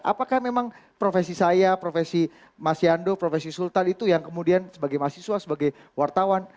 apakah memang profesi saya profesi mas yando profesi sultan itu yang kemudian sebagai mahasiswa sebagai wartawan